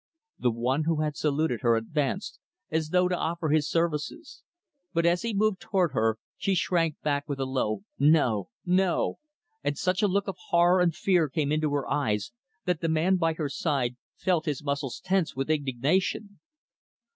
The one who had saluted her, advanced as though to offer his services. But, as he moved toward her, she shrank back with a low "No, no!" And such a look of horror and fear came into her eyes that the man by her side felt his muscles tense with indignation.